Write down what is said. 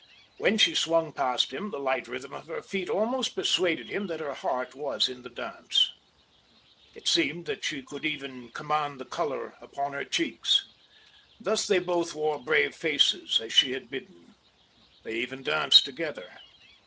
When she swung past him the light rhythm of her feet almost persuaded him that her heart was in the dance. It seemed that she could even command the colour upon her cheeks. Thus they both wore brave faces as she had bidden. They even danced together.